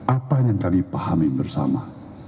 apa yang kami pahami bersama